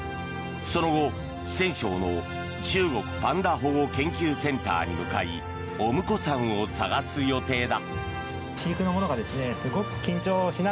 その後、四川省の中国パンダ保護研究センターに向かいお婿さんを探す予定だ。